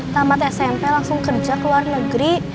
tamat smp langsung kerja ke luar negeri